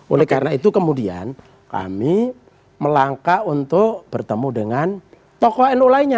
oleh karena itu kemudian kami melangkah untuk bertemu dengan tokoh nu lainnya